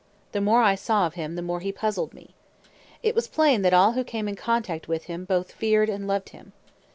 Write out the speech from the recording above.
The more I saw of him the more he puzzled me. It was plain that all who came in contact with him both feared and loved him.